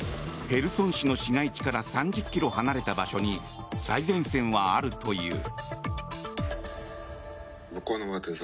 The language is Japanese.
ヘルソン市の市街地から３０ｋｍ離れた場所に最前線はあるという。